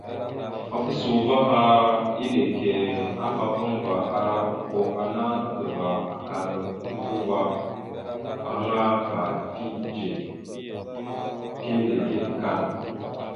Maɓəsa eleke apafaŋva ara okko ana tadəval aka uvah aŋa ka tidze, tilegeɗəkal.